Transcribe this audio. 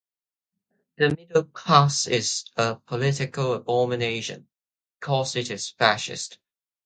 The middle class is a political abomination, because it is fascist.